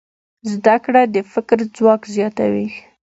زده کړه د فکر ځواک زیاتوي.